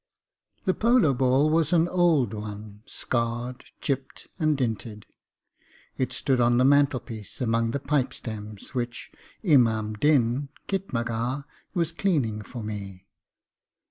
The polo ball was an old one, scarred, chipped, and dinted. It stood on the mantelpiece among the pipe stems which Imam Din, khitmatgar, was cleaning for me.